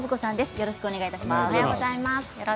よろしくお願いします。